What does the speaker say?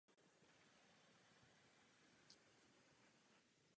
Složení expertních skupin vychází z konkrétních případů.